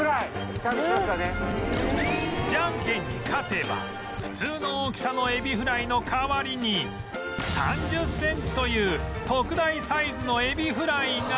じゃんけんに勝てば普通の大きさのエビフライの代わりに３０センチという特大サイズのエビフライが！